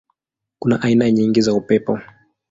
Kuna aina nyingi za upepo.